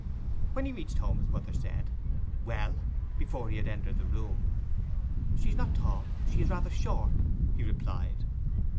When he reached home his mother said, 'Well?' before he had entered the room. 'She is not tall. She is rather short,' he replied.